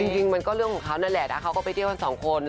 จริงก็เรื่องของเค้านั่นแหละเขาก็ไปเที่ยวกัน๒คน